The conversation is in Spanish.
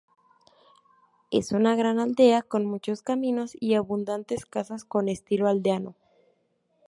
Es una gran aldea, con muchos caminos y abundantes casas con estilo aldeano.